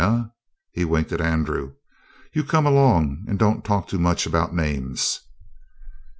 Eh?" He winked at Andrew. "You come along and don't talk too much about names."